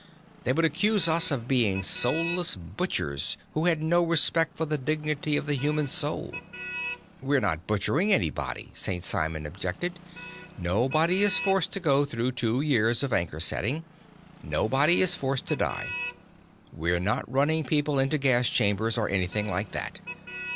They would accuse us of being soulless butchers who had no respect for the dignity of the human soul." "We're not butchering anybody," St. Simon objected. "Nobody is forced to go through two years of anchor setting. Nobody is forced to die. We're not running people into gas chambers or anything like that."